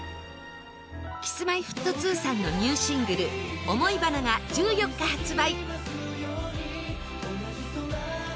Ｋｉｓ‐Ｍｙ‐Ｆｔ２さんのニューシングル『想花』が１４日発売